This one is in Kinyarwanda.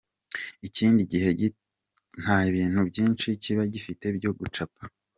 Ikindi gihe nta bintu byinshi kiba gifite byo gucapa.